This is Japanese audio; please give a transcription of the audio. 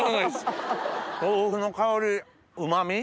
豆腐の香りうまみ